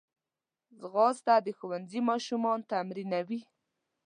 ځغاسته د ښوونځي ماشومان تمرینوي